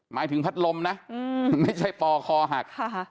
หมายถึงพัดลมนะไม่ใช่ปอคอหัก